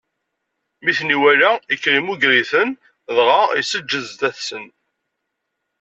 Mi ten-iwala, ikker, immuger-iten, dɣa iseǧǧed zdat-sen.